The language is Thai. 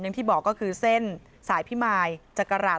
อย่างที่บอกก็คือเส้นสายพิมายจักราม